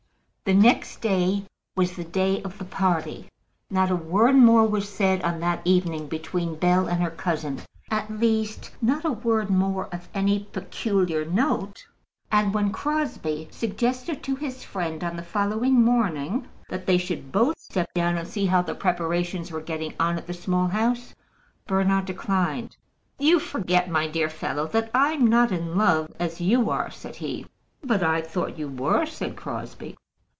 The next day was the day of the party. Not a word more was said on that evening between Bell and her cousin, at least, not a word more of any peculiar note; and when Crosbie suggested to his friend on the following morning that they should both step down and see how the preparations were getting on at the Small House, Bernard declined. "You forget, my dear fellow, that I'm not in love as you are," said he. "But I thought you were," said Crosbie.